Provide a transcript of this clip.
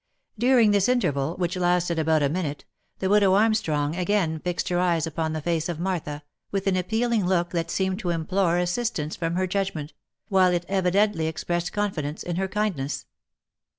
During this interval, which lasted about a minute, the widow Armstrong again fixed her eyes upon the face of Martha, with an appealing look that seemed to implore assistance from her judgment, while it evidently expressed confidence in her kindness.